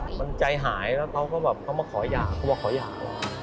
อ้าวมันใจหายแล้วเขาก็แบบเขามาขออย่างเขามาขออย่าง